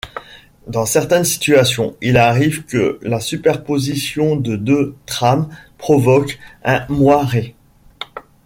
Dans certaines situations, il arrive que la superposition de deux trames provoque un moiré.